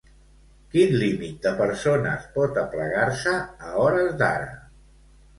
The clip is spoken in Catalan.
Quin límit de persones pot aplegar-se, a hores d'ara?